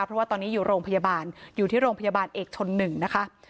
เพราะว่าตอนนี้อยู่โรงพยาบาลอยู่ที่โรงพยาบาลเอกชน๑นะคะ